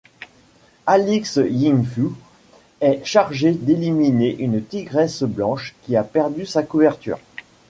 Alix Yin Fu est chargée d'éliminer une Tigresse Blanche qui a perdu sa couverture.